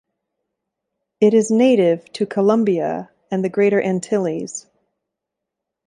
It is native to Colombia and the Greater Antilles.